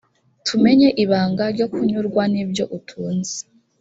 tumenye ibanga ryo kunyurwa n’ibyo utunze